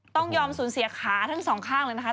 ต้องยอมสูญเสียขาทั้งสองข้างเลยนะคะ